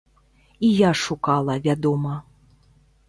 І я шукала, вядома.